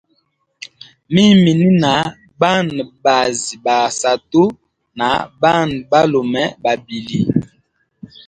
Mimi ni na Bana bazi ba satu na Bana balume babili.